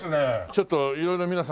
ちょっと色々皆さん。